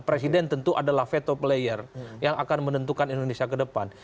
presiden tentu adalah veto player yang akan menentukan indonesia ke depan